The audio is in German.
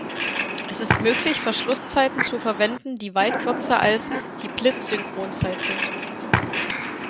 Es ist möglich, Verschlusszeiten zu verwenden, die weit kürzer als die Blitzsynchronzeit sind.